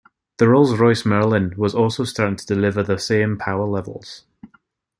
The Rolls-Royce Merlin was also starting to deliver the same power levels.